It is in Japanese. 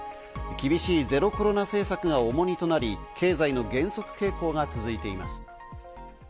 厳しいゼロコロナ政策が重荷となり経済の減速傾向が続いています。